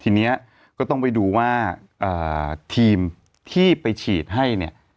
ทีนี้ก็ต้องไปดูว่าทีมที่ไปฉีดให้เนี่ย